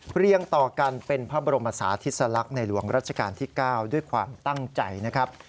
เรียงต่อกันเป็นพระบรมศาธิสลักษณ์ในหลวงรัชกาลที่๙ด้วยความตั้งใจนะครับ